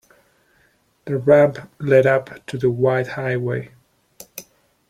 The ramp led up to the wide highway.